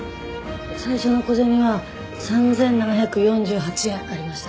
最初の小銭は３７４８円ありました。